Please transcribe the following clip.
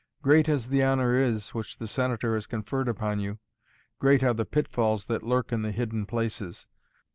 Great as the honor is, which the Senator has conferred upon you great are the pitfalls that lurk in the hidden places.